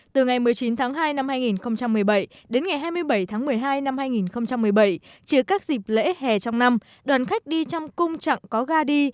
từ ngày một mươi chín tháng hai năm hai nghìn một mươi bảy đến ngày hai mươi bảy tháng một mươi hai năm hai nghìn một mươi bảy chỉ các dịp lễ hè trong năm đoàn khách đi trong cung trạng có ga đi